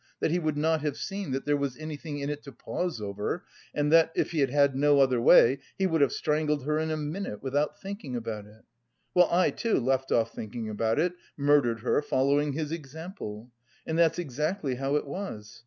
that he would not have seen that there was anything in it to pause over, and that, if he had had no other way, he would have strangled her in a minute without thinking about it! Well, I too... left off thinking about it... murdered her, following his example. And that's exactly how it was!